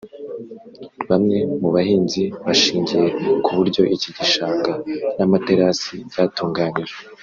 Bamwe mu bahinzi bashingiye ku buryo iki gishanga n’amaterasi byatunganyijwe